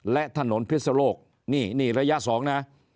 และถนนพิศโลกนี่นี่ระยะ๒นะ